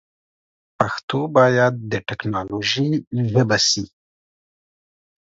پښتو باید د ټیکنالوژي ژبه سی.